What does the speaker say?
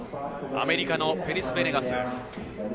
アメリカのペリス・ベネガス。